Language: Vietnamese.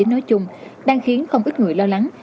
nói chung đang khiến không ít người lo lắng